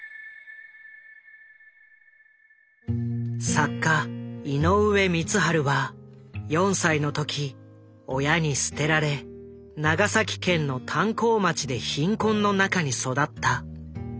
作家井上光晴は４歳の時親に捨てられ長崎県の炭鉱町で貧困の中に育った。